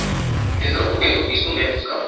Perezida wo ku rwego rwisumbuye abivugaho